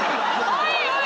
おいおい